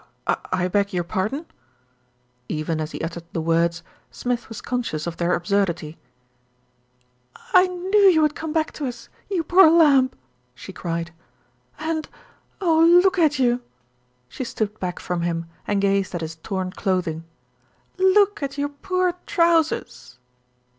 "I I beg your pardon." Even as he uttered the words, Smith was conscious of their absurdity. "I knew you would came back to us, you poor lamb," she cried, "and, oh, look at you !" She stood back from him and gazed at his torn clothing. "Look at your poor trousers!"